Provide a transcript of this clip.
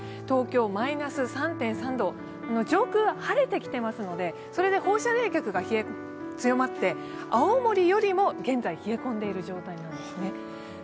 東京はマイナス３．３度、上空は晴れてきていますので、それで放射冷却が強まって、青森よりも現在、冷え込んでいる状況なんですね。